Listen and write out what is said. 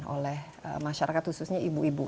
oleh masyarakat khususnya ibu ibu